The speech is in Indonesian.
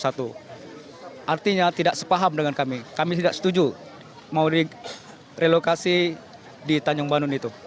artinya tidak sepaham dengan kami kami tidak setuju mau direlokasi di tanjung bandung itu